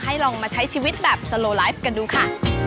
ให้ลองมาใช้ชีวิตแบบสโลลายฟกันดูค่ะ